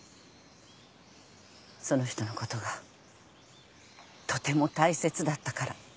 その人のことがとても大切だったから。